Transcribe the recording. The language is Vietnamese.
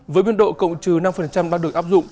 với biên độ cộng trừ năm ba